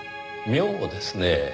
妙ですねぇ。